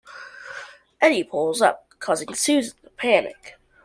Edie pulls up, causing Susan to panic.